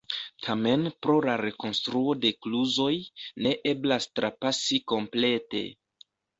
Tamen pro la rekonstruo de kluzoj ne eblas trapasi komplete.